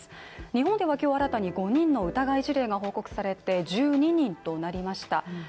日本では今日新たに５人の疑い事例が報告されて１２人となりました。